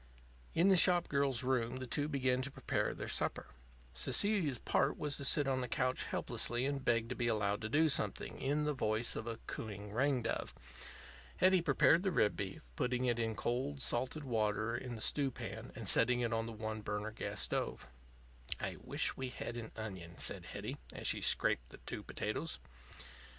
In the shop girl's room the two began to prepare their supper. Cecilia's part was to sit on the couch helplessly and beg to be allowed to do something, in the voice of a cooing ring dove. Hetty prepared the rib beef, putting it in cold salted water in the stew pan and setting it on the one burner gas stove. "I wish we had an onion," said Hetty, as she scraped the two potatoes.